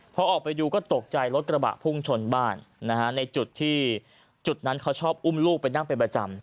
พอออกไปดูก็ตกใจรถกระบะพุ่งชนบ้านในจุดที่จุดนั้นเขาชอบอุ้มลูกไปนั่งเป็นประจำ